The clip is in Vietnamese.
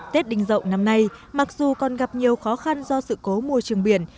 tết đình dậu năm nay mặc dù còn gặp nhiều khó khăn do sự cố môi trường biển